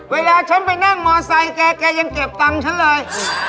เวลาฉันไปนั่งมอไซค์แกแกยังเก็บตังค์ฉันเลย